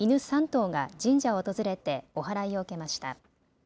３頭が神社を訪れておはらいを受けました。